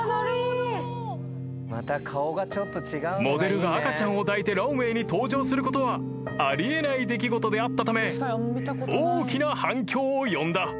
［モデルが赤ちゃんを抱いてランウェイに登場することはあり得ない出来事であったため大きな反響を呼んだ］